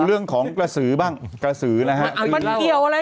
เรื่องของกระสือบ้างกระสือนะฮะเอามันเกี่ยวอะไร